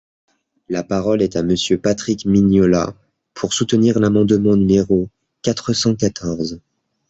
La parole est à Monsieur Patrick Mignola, pour soutenir l’amendement numéro quatre cent quatorze.